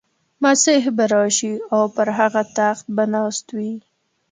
مسیح به راشي او پر هغه تخت به ناست وي.